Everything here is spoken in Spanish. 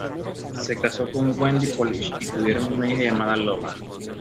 Se casó con Wendy Polish y tuvieron una hija llamada Logan.